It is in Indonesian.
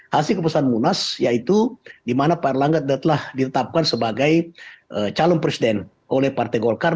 hasil keputusan munas yaitu di mana pak erlangga telah ditetapkan sebagai calon presiden oleh partai golkar